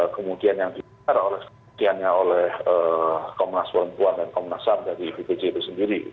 kemudian yang oleh komnas perempuan dan komnas ham dari bpj itu sendiri